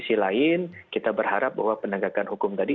tapi di sisi lain kita berharap bahwa penegak hukum ini